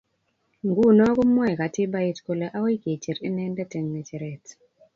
Nguno komwoe katibait kole akoi kecher inendet eg ngecheret